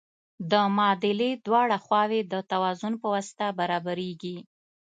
د معادلې دواړه خواوې د توازن په واسطه برابریږي.